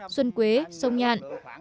xuân quế sông nhạn